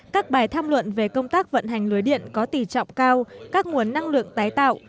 các bài tham luận về công tác vận hành lưới điện có tỷ trọng cao các nguồn năng lượng tái tạo